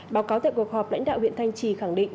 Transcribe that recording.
báo cáo tại cuộc họp lãnh đạo huyện thanh trì khẳng định